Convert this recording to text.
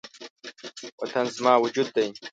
وطن زما وجود دی